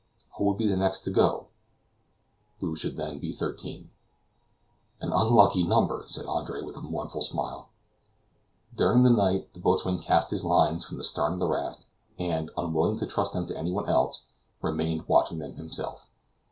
Who would be the next to go? We should then be thirteen. "An unlucky number!" said Andre, with a mournful smile. During the night the boatswain cast his lines from the stern of the raft, and, unwilling to trust them to anyone else, remained watching them himself.